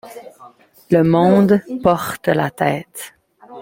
Le monde porte à la tête.